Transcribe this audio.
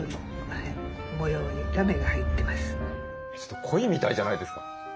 ちょっとコイみたいじゃないですか。